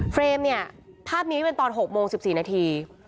รมเนี่ยภาพนี้เป็นตอน๖โมง๑๔นาที